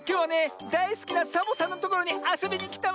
だいすきなサボさんのところにあそびにきたわよ。